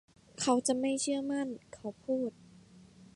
เขาจะไม่เชื่อมั่นเขาพูด